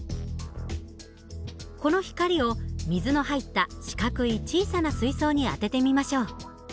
この光を水の入った四角い小さな水槽にあててみましょう。